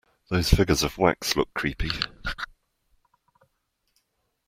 These figures of wax look creepy.